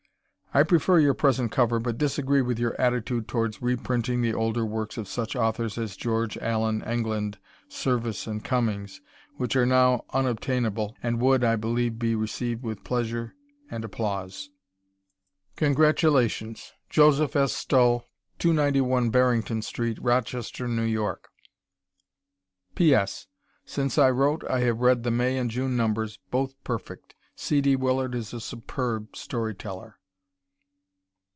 I prefer your present cover but disagree with your attitude towards reprinting the older works of such authors as George Allen England, Serviss and Cummings, which are now unobtainable and would, I believe, be received with pleasure and applause. Congratulations Joseph S. Stull, 291 Barrington St., Rochester, N. Y. P.S. Since I wrote I have read the May and June numbers both perfect. C. D. Willard is a superb storyteller.